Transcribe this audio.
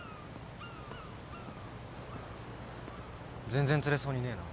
全然釣れそうにねえな。